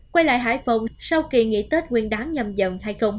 quay lại hải phòng sau kỳ nghỉ tết nguyên đán nhâm dần hai nghìn hai mươi hai